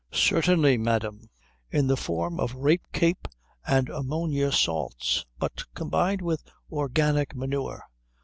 "Certainly, madam. In the form of rape cape and ammonia salts but combined with organic manure.